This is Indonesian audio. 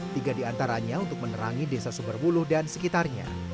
tiga di antaranya untuk menerangi desa sumberbulu dan sekitarnya